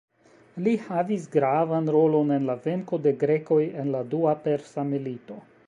Li havis gravan rolon en la venko de grekoj en la dua persa milito.